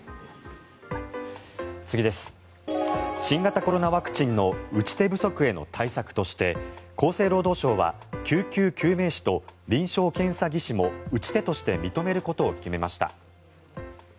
新型コロナワクチンの打ち手不足への対策として厚生労働省は救急救命士と臨床検査技師も打ち手として認めることを決めました。